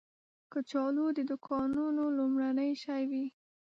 کچالو د دوکانونو لومړنی شی وي